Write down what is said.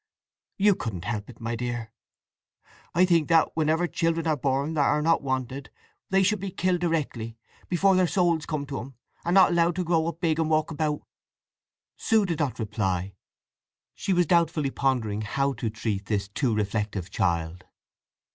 "You couldn't help it, my dear." "I think that whenever children be born that are not wanted they should be killed directly, before their souls come to 'em, and not allowed to grow big and walk about!" Sue did not reply. She was doubtfully pondering how to treat this too reflective child.